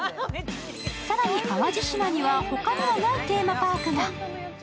更に淡路島には他にはないテーマパークが。